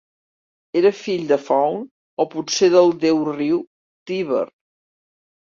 Era fill de Faune, o potser del déu-riu Tíber.